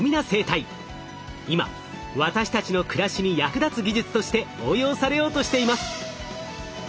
今私たちの暮らしに役立つ技術として応用されようとしています。